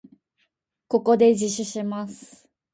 ここで自首します。